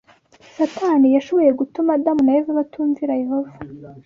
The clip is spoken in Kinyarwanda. Satani yashoboye gutuma Adamu na Eva batumvira Yehova